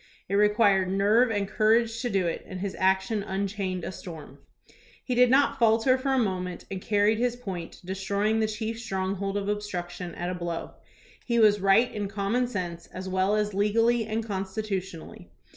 It required nerve and courage to do it, and his action unchained a storm. He did not falter for a moment, and carried his point, destroying the chief stronghold of obstruction at a blow. He was right in common sense as well as legally and constitutionally.